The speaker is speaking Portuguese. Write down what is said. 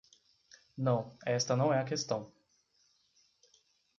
Não, esta não é a questão.